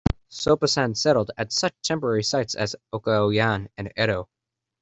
Soposan settled at such temporary sites as Oke-Oyan and Aro.